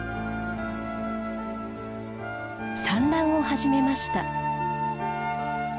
産卵を始めました。